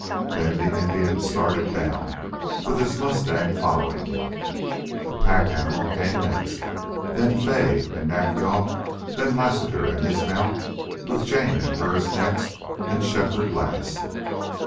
Then the Indian started down, with his mustang following him. The pack animal came next, then Fay and Nack yal, then Lassiter and his mount, with Jane and hers next, and Shefford last.